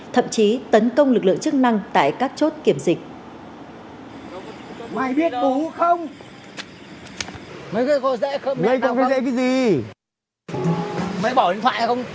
thậm chí tấn công lực lượng chức năng tại các chốt kiểm dịch